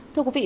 thưa quý vị